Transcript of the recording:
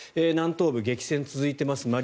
南東部、激戦が続いています